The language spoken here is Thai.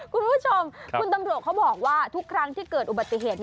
คุณผู้ชมคุณตำรวจเขาบอกว่าทุกครั้งที่เกิดอุบัติเหตุ